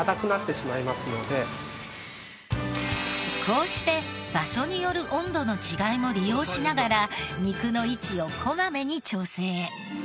こうして場所による温度の違いも利用しながら肉の位置を小まめに調整。